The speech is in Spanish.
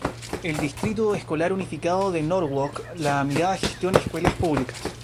El Distrito Escolar Unificado de Norwalk-La Mirada gestiona escuelas públicas.